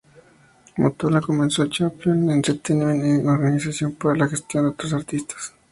Mottola comenzó Champion Entertainment Inc., organización para la gestión de otros artistas.